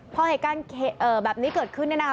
พอเหตุการณ์แบบนี้เกิดขึ้นเนี่ยนะคะ